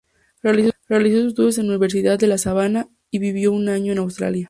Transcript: Realizó sus estudios en Universidad de la Sabana y vivió un año en Australia.